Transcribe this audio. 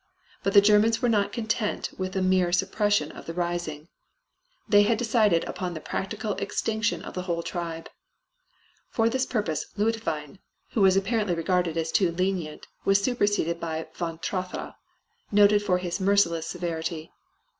But the Germans were not content with a mere suppression of the rising; they had decided upon the practical extinction of the whole tribe. For this purpose Leutwein, who was apparently regarded as too lenient, was superseded by von Trotha, noted for his merciless severity.